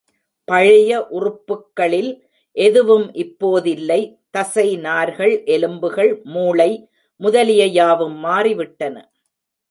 பழைய உறுப்புக்களில் எதுவும் இப்போதில்லை தசை நார்கள், எலும்புகள், மூளை முதலிய யாவும் மாறிவிட்டன.